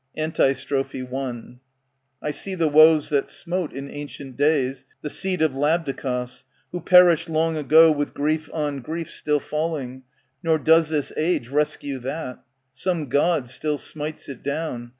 Antistrophe I I see the woes that smote, in ancient days, *The seed of Labdacos, *Who perished long ago, with grief on grie/ Still falling, nor does this age rescue that ; Some God still smites it down.